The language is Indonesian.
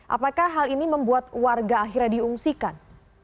apakah hal ini membuat warga akhirnya diungsikan